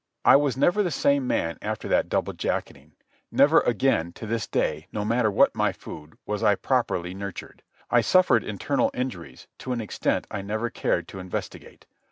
I was never the same man after that double jacketing. Never again, to this day, no matter what my food, was I properly nurtured. I suffered internal injuries to an extent I never cared to investigate.